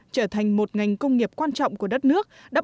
trở thành một ngành công nghiệp quan trọng của đất nước